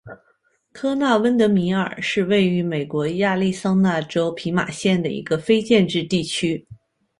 科纳温德米尔是位于美国亚利桑那州皮马县的一个非建制地区。